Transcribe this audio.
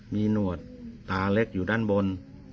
มีหนวดตาเล็กอยู่ด้านบน